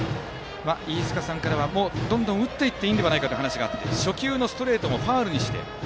飯塚さんからはどんどん振っていいという話があって、初球のストレートもファウルにして。